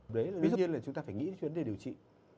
ví dụ như là chúng ta phải nghĩ đến chuyến đề điều trị